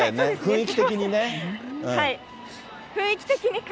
雰囲気的にね。